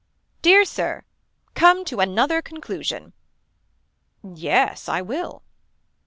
Dear Sir. Come to another conclusion. Yes I will.